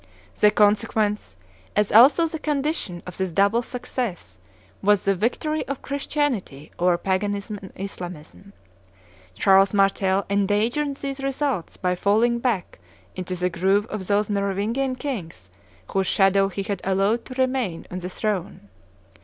The consequence, as also the condition, of this double success was the victory of Christianity over Paganism and Islamism. Charles Martel endangered these results by falling back into the groove of those Merovingian kings whose shadow he had allowed to remain on the throne.